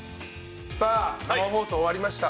生放送終わりました。